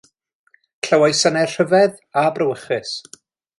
Clywai synau rhyfedd a brawychus.